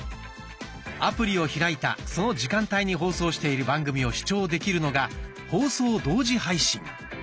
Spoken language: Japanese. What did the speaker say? アプリを開いたその時間帯に放送している番組を視聴できるのが「放送同時配信」。